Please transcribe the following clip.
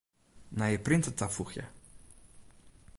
Nije printer tafoegje.